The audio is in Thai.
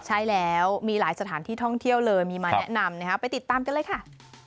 ใช่แล้วมีหลายสถานที่ท่องเที่ยวเลยมีมาแนะนำนะครับไปติดตามกันเลยค่ะ